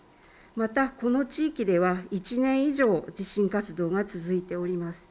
またこの地域では１年以上地震活動が続いております。